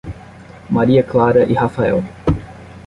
Maria Clara e Rafael